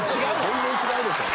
全然違うでしょ。